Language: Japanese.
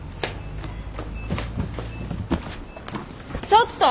ちょっと！